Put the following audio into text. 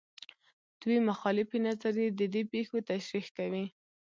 دوې مخالفې نظریې د دې پېښو تشریح کوي.